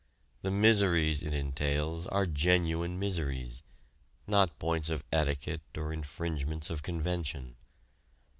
The miseries it entails are genuine miseries not points of etiquette or infringements of convention.